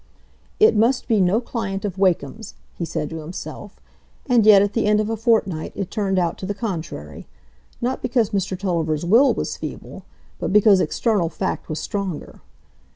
"It must be no client of Wakem's," he said to himself; and yet at the end of a fortnight it turned out to the contrary; not because Mr Tulliver's will was feeble, but because external fact was stronger.